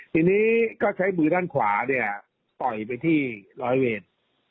ทีนี้ก็ใช้มือด้านขวาเนี่ยต่อยไปที่ร้อยเวท